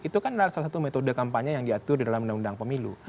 itu kan adalah salah satu metode kampanye yang diatur di dalam undang undang pemilu